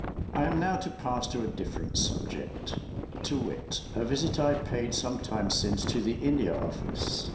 I am now to pass to a different subject to wit, a visit I paid some time since to the India Office.